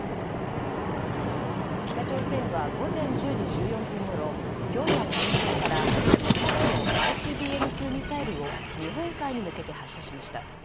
北朝鮮は午前１０時１４分ごろピョンヤン近郊から１発のＩＣＢＭ級ミサイルを日本海に向けて発射しました。